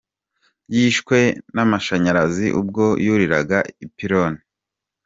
Yishwe n’amashanyarazi ubwo yuriraga ipironi